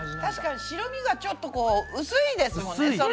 確かに白身がちょっとこう薄いですもんね。